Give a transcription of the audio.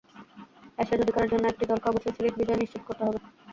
Ashes অধিকারের জন্য একটি দলকে অবশ্যই সিরিজ বিজয় নিশ্চিত করতে হবে।